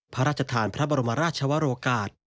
พระราชทานพระบรมราชวรกาศ